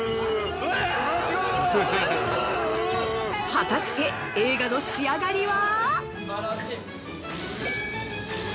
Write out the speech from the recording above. ◆果たして映画の仕上がりは？